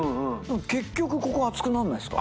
結局ここ熱くなんないですか？